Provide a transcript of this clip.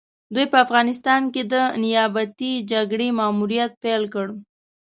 دوی په افغانستان کې د نيابتي جګړې ماموريت پيل کړ.